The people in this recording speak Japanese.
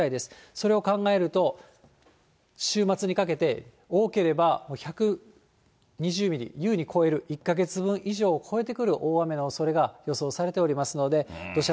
それを考えると、週末にかけて、多ければ１２０ミリ優に超える、１か月分以上を超えてくる大雨の予想がされておりますので、土砂